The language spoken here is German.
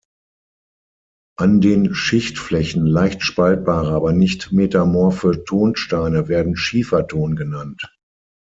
An den Schichtflächen leicht spaltbare, aber nicht metamorphe Tonsteine werden "Schieferton" genannt.